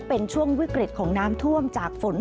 เป็นช่วงวิกฤตของน้ำท่วมจากฝน